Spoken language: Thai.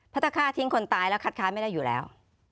ถ้าฆ่าทิ้งคนตายแล้วคัดค้านไม่ได้อยู่แล้ว